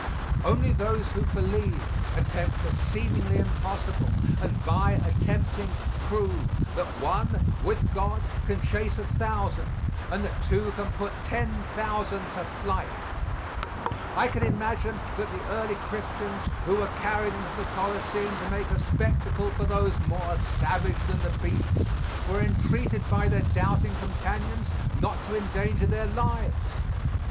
Only those who believe attempt the seemingly impossible, and, by attempting, prove that one, with God, can chase a thousand and that two can put ten thousand to flight. I can imagine that the early Christians who were carried into the coliseum to make a spectacle for those more savage than the beasts, were entreated by their doubting companions not to endanger their lives.